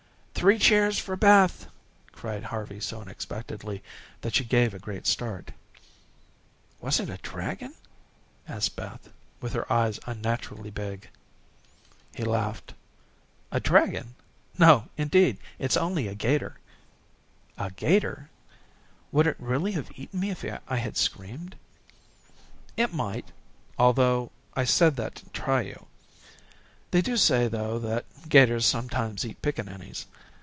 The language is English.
"Three cheers for Beth," cried Harvey so unexpectedly that she gave a great start. "Was it a dragon?" asked Beth with her eyes unnaturally big. He laughed. "A dragon No, indeed. It's only a 'gator." "A 'gator Would it really have eaten me if I had screamed?" "It might, although I said that to try you. They do say, though, that 'gators sometimes eat pickaninnies.